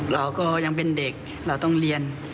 เราก็ยังเป็นเด็กเราต้องเรียน